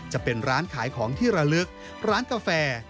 จะเป็นร้านขายของที่ระลึกร้านกาแฟ